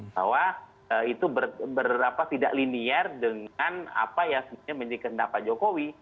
bahwa itu berapa tidak linier dengan apa yang sebenarnya mendirikan pak jokowi